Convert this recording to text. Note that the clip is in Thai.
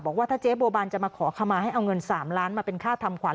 บอกว่าถ้าเจ๊บัวบันจะมาขอขมาให้เอาเงิน๓ล้านมาเป็นค่าทำขวัญ